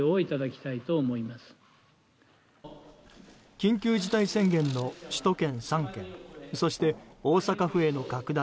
緊急事態宣言の、首都圏３県そして大阪府への拡大